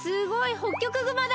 ホッキョクグマだ！